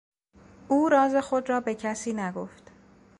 او راز خود را به کسی نگفت.